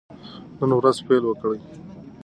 نن ورځ پیل وکړئ.